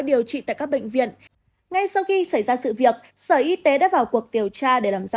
điều trị tại các bệnh viện ngay sau khi xảy ra sự việc sở y tế đã vào cuộc điều tra để làm rõ